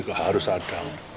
nggak harus ada